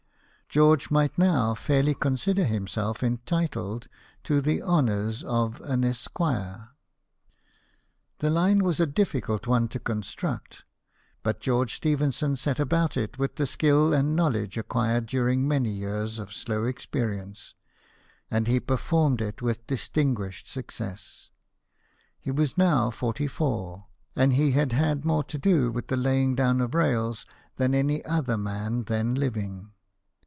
George might now fairly consider himself entitled to the honours of an Esquire. 54 BIOGRAPHIES OF WORKING MEN. The line was a difficult one to construct ; but George Stephenson set about it with the skill and knowledge acquired during many years of slow experience ; and he performed it with distinguished success. He was now forty four ; and he had had more to do with the laying down of rails than any other man then living.